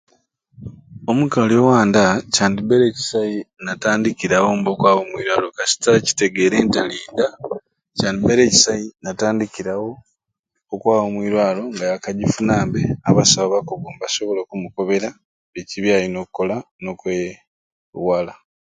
Omukali owanda kyandibaire kisai natandikirawombe okwaba omuirwaro kasita akitegere nti alinda Kyandibaire kisai natandikirawo okwaba omuirwaro nga yakajifunambe abasawo abakugu mbasobola okumukobera biki byalina okukola nokwewala.